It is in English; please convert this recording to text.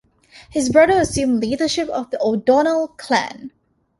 His brother assumed leadership of the O'Donnell clan.